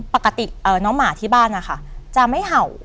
ปกติน้องหมาที่บ้านนะคะจะไม่เห่า